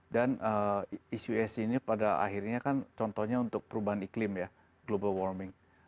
dan isu esg ini pada akhirnya kan contohnya untuk perubahan iklim ya global warming